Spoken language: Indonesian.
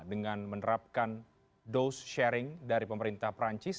dengan menerapkan dose sharing dari pemerintah perancis